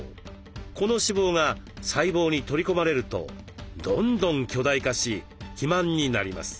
この脂肪が細胞に取り込まれるとどんどん巨大化し肥満になります。